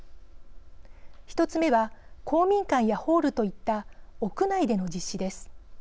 １つ目は公民館やホールといった屋内での実施です。